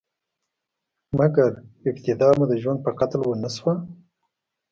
مګر، ابتدا مو د ژوندون په قتل ونشوه؟